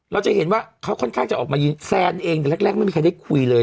เราจะเห็นว่าเขาค่อนข้างจะออกมายืนแซนเองแต่แรกไม่มีใครได้คุยเลย